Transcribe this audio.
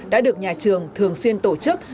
đã được nhà trường thường xuyên tổ chức